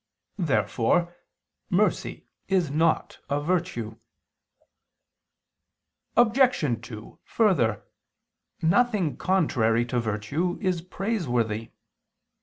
Therefore mercy is not a virtue. Obj. 2: Further, nothing contrary to virtue is praiseworthy.